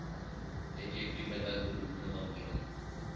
এটি একটি বেতার দূরবীক্ষণ যন্ত্র।